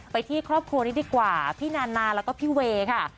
ไปที่ครอบครัวนี้ดีกว่าพี่นานาแล้วก็พี่เวย์ค่ะ